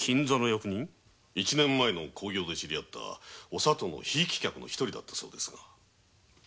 一年前の興行で知り合ったお里のひいき客だったそうですが。